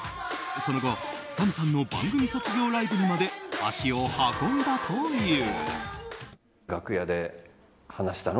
その後、ＳＡＭさんの番組卒業ライブにまで足を運んだという。